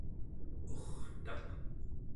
urtaq